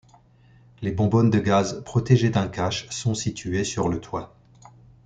Les bonbonnes de gaz, protégées d'un cache, sont situées sur le toit.